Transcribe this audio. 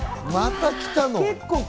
また来たの？